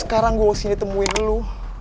sekarang gue kesini temuin lo